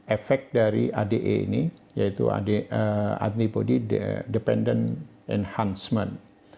efek dari ade ini yaitu antibody dependent enhancement